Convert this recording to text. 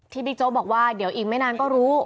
ที่พี่โจ้บอกว่าเดี๋ยวอีกไม่นานก็รู้